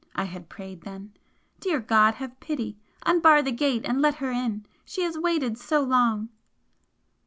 I had prayed then "Dear God, have pity! Unbar the gate and let her in! She has waited so long!"